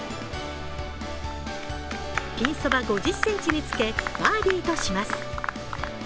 ピンそば５０ｃｍにつけバーディーとします。